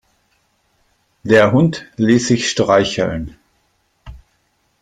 Der Hund ließ sich streicheln.